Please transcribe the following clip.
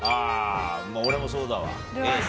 俺もそうだわ。